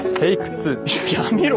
２やめろ